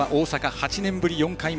８年ぶり４回目。